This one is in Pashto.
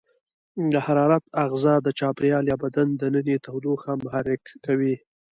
د حرارت آخذه د چاپیریال یا بدن دننۍ تودوخه محرک کوي.